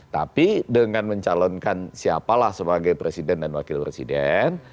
tapi dengan mencalonkan siapalah sebagai presiden dan wakil presiden